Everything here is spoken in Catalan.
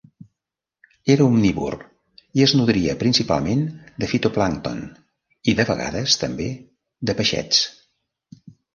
Era omnívor i es nodria principalment de fitoplàncton i, de vegades també, de peixets.